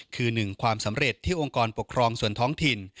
คือหนึ่งความสำเร็จที่องค์กรปกครองส่วนท้องถิ่น